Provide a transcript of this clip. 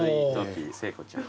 聖子ちゃん。